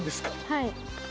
はい。